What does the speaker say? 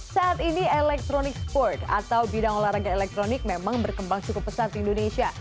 saat ini electronic sport atau bidang olahraga elektronik memang berkembang cukup pesat di indonesia